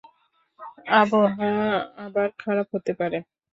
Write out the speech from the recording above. আবহাওয়া আবার খারাপ হতে পারে।